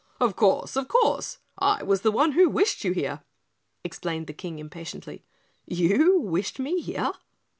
"Of course, of course! I was the one who wished you here," explained the King impatiently. "You wished me here?"